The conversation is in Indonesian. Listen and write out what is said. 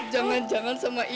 jangan jangan sama ian leg